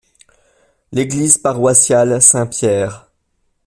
L'église paroissiale Saint-Pierre.